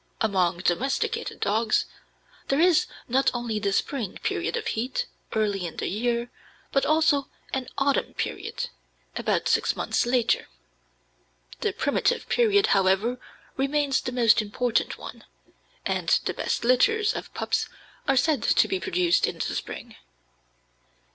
Among domesticated dogs, there is not only the spring period of heat, early in the year, but also an autumn period, about six months later; the primitive period, however, remains the most important one, and the best litters of pups are said to be produced in the spring.